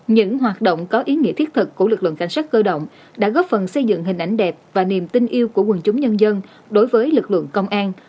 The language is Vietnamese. những hoạt động có ý nghĩa thiết thực của lực lượng cảnh sát cơ động đã góp phần xây dựng hình ảnh đẹp và niềm tin yêu của quần chúng nhân dân đối với lực lượng công an